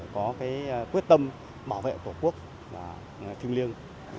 có cái quyết tâm bảo vệ tổ quốc là thiêng liêng